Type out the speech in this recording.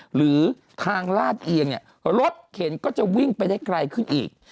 หรือทางลาดเอียงเนี่ยรถเข็นก็จะวิ่งไปได้ไกลขึ้นอีก